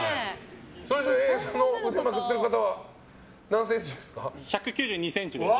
腕をまくってる方は何センチですか？